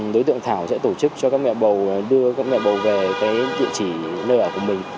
đối tượng thảo sẽ tổ chức cho mẹ bầu đưa mẹ bầu về địa chỉ nơi ở của mình